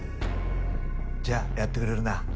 じゃあやってくれるな。